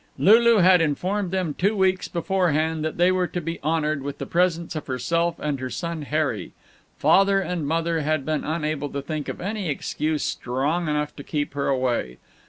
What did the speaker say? Lulu had informed them two weeks beforehand that they were to be honored with the presence of herself and her son Harry; and Father and Mother had been unable to think of any excuse strong enough to keep her away.